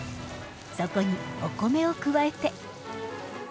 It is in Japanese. そこにお米を加えて。